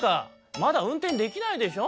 「まだうんてんできないでしょ」。